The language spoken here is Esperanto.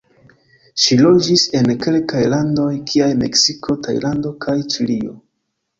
Ŝi loĝis en kelkaj landoj, kiaj Meksiko, Tajlando kaj Ĉilio.